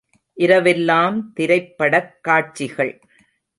இரவெல்லாம் திரைப்படக் காட்சிகள்!